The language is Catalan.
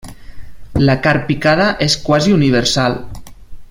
La carn picada és quasi universal.